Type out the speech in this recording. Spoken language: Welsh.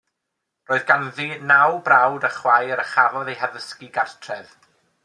Roedd ganddi naw brawd a chwaer a chafodd ei haddysgu gartref.